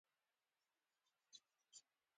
د افریقا په جنوبي صحرا کې وضعیت ناوړه دی.